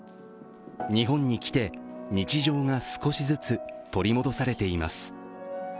日本に来て日常が少しずつ取り戻されています